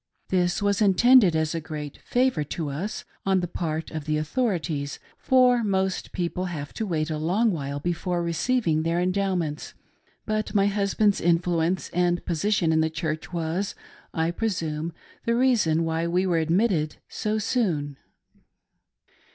This was intended as a great favor to tiSj on the part of the authorities, for most people have to wait a long while before receiving their Endowments ; but my husband's influence and position in the Church was, I presume, the reason why we were admitted so soon.